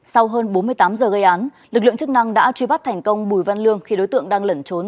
sau hơn bốn mươi tám giờ gây án lực lượng chức năng đã truy bắt thành công bùi văn lương khi đối tượng đang lẩn trốn